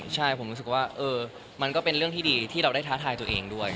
ใช่ผมรู้สึกว่ามันก็เป็นเรื่องที่ดีที่เราได้ท้าทายตัวเองด้วย